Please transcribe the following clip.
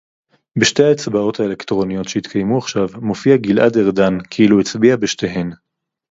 בשתי ההצבעות האלקטרוניות שהתקיימו עכשיו מופיע גלעד ארדן כאילו הצביע בשתיהן